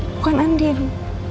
bukan andi loh